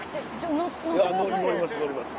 乗ります。